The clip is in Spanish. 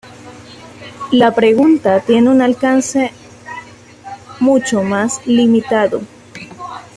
La pregunta tiene un alcance mucho más limitado.